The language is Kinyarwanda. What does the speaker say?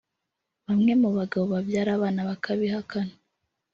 bamwe mu bagabo babyara abana bakabihakana